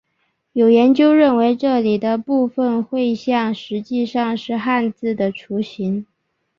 有研究认为这里的部分绘像实际上是汉字的雏形。